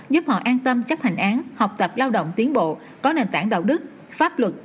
giúp họ an tâm chấp hành án học tập lao động tiến bộ có nền tảng đạo đức pháp luật